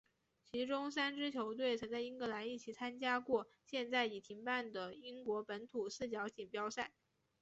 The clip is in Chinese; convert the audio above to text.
其中三支球队曾和英格兰一起参加过现在已停办的英国本土四角锦标赛。